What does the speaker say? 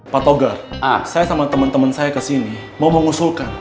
pak togar saya sama temen temen saya kesini mau mengusulkan